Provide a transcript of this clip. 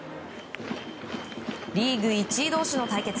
リーグ１位同士の対決。